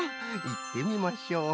いってみましょう。